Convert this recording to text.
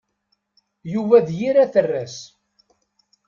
Yuba d yir aterras.